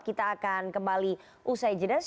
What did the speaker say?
kita akan kembali usai jedas